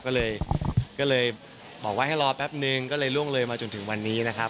ก็เลยก็เลยบอกว่าให้รอแป๊บนึงก็เลยล่วงเลยมาจนถึงวันนี้นะครับ